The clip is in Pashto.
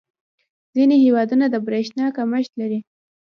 • ځینې هېوادونه د برېښنا کمښت لري.